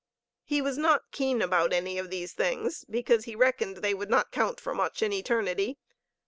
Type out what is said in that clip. He was not keen about any of these things, because he reckoned they would not count for much in eternity.